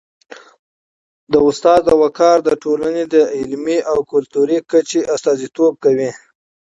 د استاد وقار د ټولني د علمي او کلتوري کچي استازیتوب کوي.